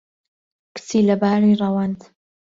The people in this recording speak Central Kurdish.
کچی لەباری ڕەوەند